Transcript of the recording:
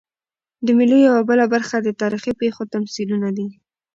د مېلو یوه بله برخه د تاریخي پېښو تمثیلونه دي.